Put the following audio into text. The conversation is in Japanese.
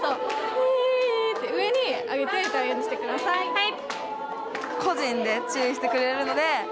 はい！